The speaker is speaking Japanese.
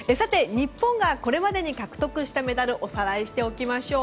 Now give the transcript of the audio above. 日本がこれまでに獲得したメダルおさらいしておきましょう。